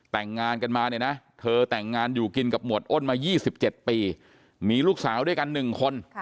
แต่งงานกันมาเนี่ยนะเธอแต่งงานอยู่กินกับหมวดอ้นมา๒๗ปีมีลูกสาวด้วยกัน๑คน